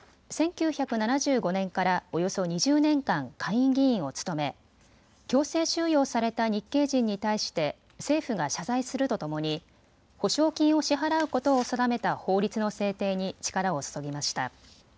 １９７５年からおよそ２０年間、下院議員を務め強制収容された日系人に対して政府が謝罪するとともに補償金を支払うことを定めた法律の制定に力を注ぎました。